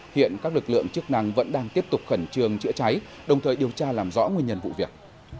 hiện các lực lượng chức năng vẫn đang tiếp tục khẩn trương chữa cháy đồng thời điều tra làm rõ nguyên nhân vụ việc